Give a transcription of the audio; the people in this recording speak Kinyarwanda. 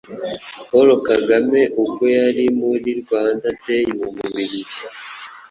Paul Kagame ubwo yari muri Rwanda Day mu Bubiligi,